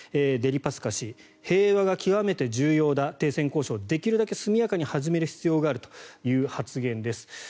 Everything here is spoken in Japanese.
デリパスカ氏平和が決めて重要だ停戦交渉をできるだけ速やかに始める必要があるという発言です。